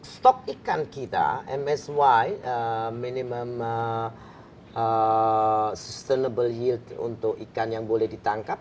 stok ikan kita msy minimum sustainable yield untuk ikan yang boleh ditangkap